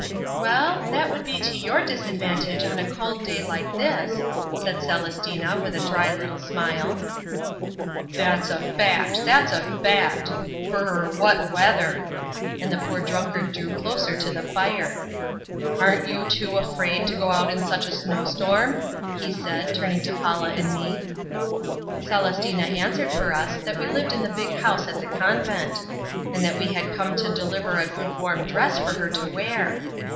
"Well, that would be to your disadvantage on a cold day like this," said Celestina with a dry little smile. "That's a fact, that's a fact. Brr! What weather!" and the poor drunkard drew closer to the fire. "Aren't you two afraid to go out in such a snowstorm?" he said, turning to Paula and me. Celestina answered for us that we lived in the big house at "The Convent," and that we had come to deliver a good warm dress for her to wear.